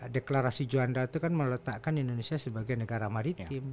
deklarasi juanda itu kan meletakkan indonesia sebagai negara maritim